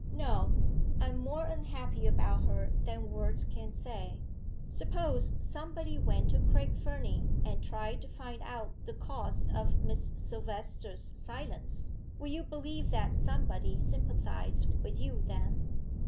"No. I am more unhappy about her than words can say." "Suppose somebody went to Craig Fernie and tried to find out the cause of Miss Silvester's silence? Would you believe that somebody sympathized with you then?"